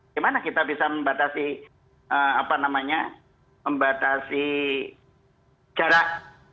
gimana kita bisa membatasi apa namanya membatasi jarak